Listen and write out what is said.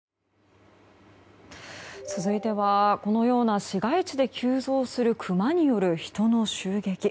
続いてはこのような市街地で急増するクマによる人の襲撃。